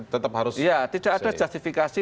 tetap harus iya tidak ada justifikasi